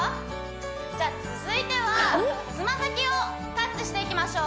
じゃあ続いては爪先をタッチしていきましょう